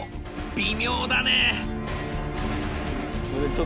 微妙だね。